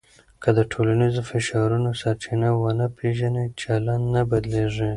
که د ټولنیزو فشارونو سرچینه ونه پېژنې، چلند نه بدلېږي.